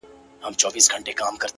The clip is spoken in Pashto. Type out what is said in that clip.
د هغه شپې څخه شپې نه کلونه تېر سوله خو”